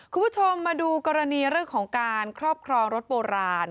คุณผู้ชมมาดูกรณีเรื่องของการครอบครองรถโบราณ